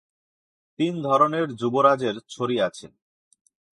তিন ধরনের যুবরাজের ছড়ি আছে।